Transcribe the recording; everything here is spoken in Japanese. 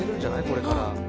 これから。